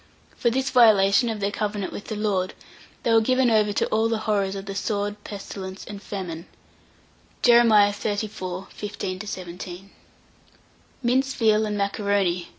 For this violation of their covenant with the Lord, they were given over to all the horrors of the sword, pestilence, and famine Jeremiah, xxxiv. 15 17. MINCED VEAL AND MACARONI.